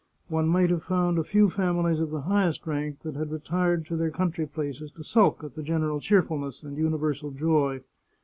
One might have found a few families of the highest rank that had retired to their coun try places to sulk at the general cheerfulness and universal joy.